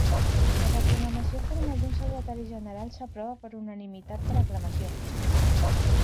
La recomanació formal d'un secretari general s'aprova per unanimitat per aclamació.